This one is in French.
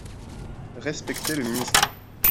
Respectez le ministre